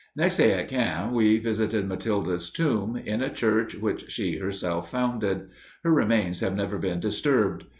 Next day, at Caen, we visited Matilda's tomb, in a church which she herself founded. Her remains have never been disturbed.